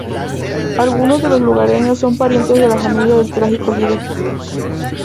Algunos de los lugareños son parientes de la familia del trágico líder.